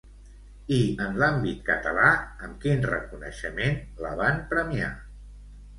I en l'àmbit català, amb quin reconeixement la van premiar?